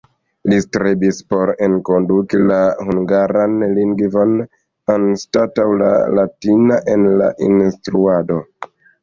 Li strebis por enkonduki la hungaran lingvon anstataŭ la latina en la instruado.